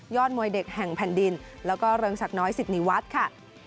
มวยเด็กแห่งแผ่นดินแล้วก็เริงศักดิ์น้อยสิทธิวัฒน์ค่ะ